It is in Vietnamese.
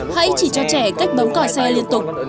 hãy chỉ cho trẻ cách bấm cỏ xe liên tục